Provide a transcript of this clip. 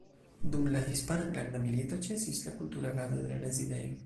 Dum la Hispana Enlanda Milito ĉesis la kultura agado de la Rezidejo.